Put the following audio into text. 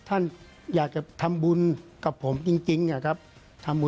ท่านอยากจะทำบุญต้งกับผมจริงนะครับ